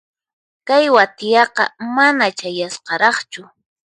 Kay wathiaqa mana chayasqaraqchu.